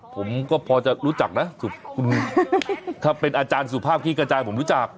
ผมก็พอจะรู้จักนะถ้าเป็นอาจารย์สุภาพขี้กระจายผมรู้จัก